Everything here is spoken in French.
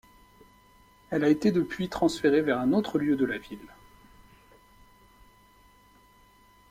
Elle a été depuis transférée vers un autre lieu de la ville.